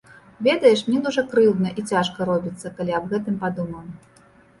Ведаеш, мне дужа крыўдна і цяжка робіцца, калі аб гэтым падумаю.